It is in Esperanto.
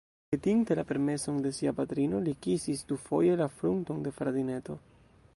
Petinte la permeson de sia patrino, li kisis dufoje la frunton de fratineto.